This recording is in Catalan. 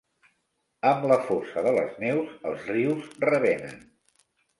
Amb la fosa de les neus els rius revenen.